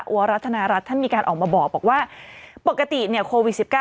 วรรฐนารัฐท่านมีการออกมาบอกบอกว่าปกติเนี่ยโควิดสิบเก้า